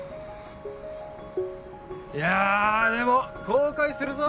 いやぁでも後悔するぞ。